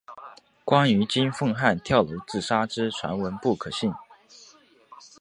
关于金凤汉跳楼自杀之传闻不可信。